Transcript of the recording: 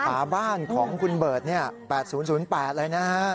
ฝาบ้านของคุณเบิร์ต๘๐๐๘เลยนะฮะ